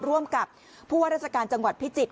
ร่วมกับผู้ว่าราชการจังหวัดพิจิตร